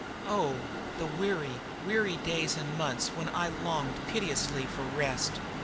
O, the weary, weary days and months when I longed piteously for rest!